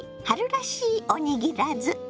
春らしいおにぎらず。